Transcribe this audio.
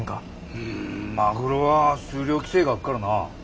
うんマグロは数量規制があっからなぁ。